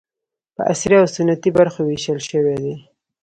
په عصري او سنتي برخو وېشل شوي دي.